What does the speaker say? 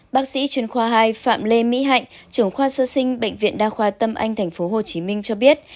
bác sĩ chuyên khoa hai phạm lê mỹ hạnh trưởng khoa sơ sinh bệnh viện đa khoa tâm anh tp hcm cho biết